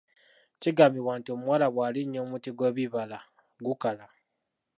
Kigambibwa nti omuwala bw’alinnya omuti gw’ebibala gukala.